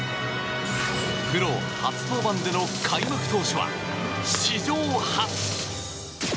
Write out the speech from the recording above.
プロ初登板での開幕投手は史上初！